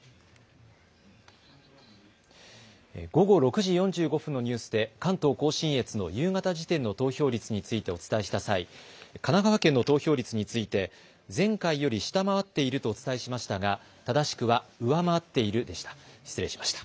午後６時４５分のニュースで関東甲信越の夕方時点の投票率についてお伝えした際、神奈川県の投票率について前回より下回っているとお伝えしましたが、正しくは、上回っているでした。